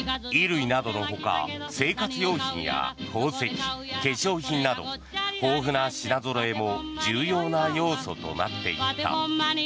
衣類などのほか生活用品や宝石、化粧品など豊富な品ぞろえも重要な要素となっていった。